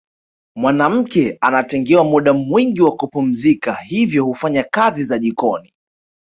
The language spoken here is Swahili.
Mwanamke anatengewa muda mwingi wa kupumzika hivyo hufanya kazi za jikoni